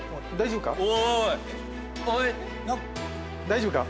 大丈夫か？